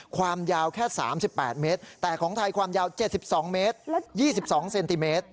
ความยาวแค่๓๘เมตรแต่ของไทยความยาว๗๒เมตร๒๒เซนติเมตร